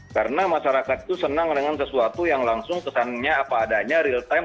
karena masyarakat itu senang dengan sesuatu yang langsung kesannya apa adanya real time